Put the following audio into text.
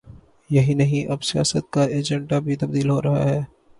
یہی نہیں، اب سیاست کا ایجنڈا بھی تبدیل ہو رہا ہے۔